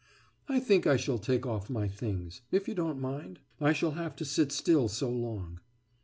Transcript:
« »I think I shall take off my things ... if you don't mind? I shall have to sit still so long.